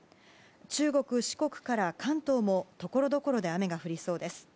中国・四国から関東もところどころで雨が降りそうです。